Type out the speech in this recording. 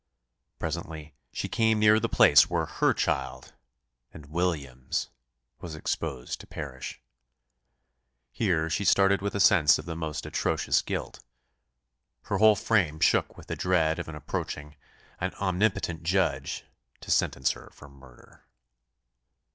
Presently, she came near the place where her child, and William's, was exposed to perish. Here she started with a sense of the most atrocious guilt; and her whole frame shook with the dread of an approaching, an omnipotent Judge, to sentence her for murder.